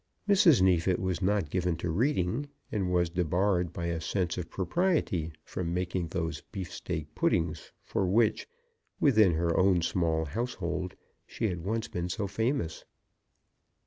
Mrs. Neefit was not given to reading, and was debarred by a sense of propriety from making those beef steak puddings for which, within her own small household, she had once been so famous.